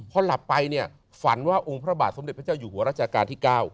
พอหลับไปเนี่ยฝันว่าองค์พระบาทสมเด็จพระเจ้าอยู่หัวรัชกาลที่๙